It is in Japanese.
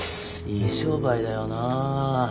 いい商売だよなあ。